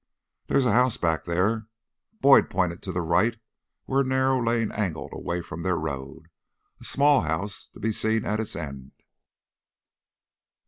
"There's a house back there." Boyd pointed to the right, where a narrow lane angled away from their road, a small house to be seen at its end.